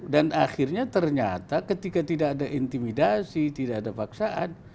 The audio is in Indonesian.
dan akhirnya ternyata ketika tidak ada intimidasi tidak ada paksaan